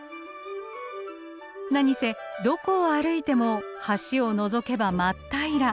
何せどこを歩いても橋をのぞけば真っ平ら。